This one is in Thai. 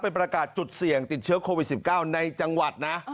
ประกาศจุดเสี่ยงติดเชื้อโควิด๑๙ในจังหวัดนะ